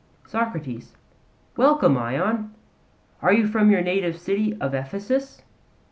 SOCRATES: Welcome, Ion. Are you from your native city of Ephesus?